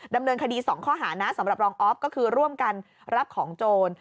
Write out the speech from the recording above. ดำเนินคดี๒ข้อหานะสำหรับรองออฟก็คือร่วมกันรับของโจร